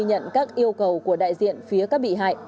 nhận các yêu cầu của đại diện phía các bị hại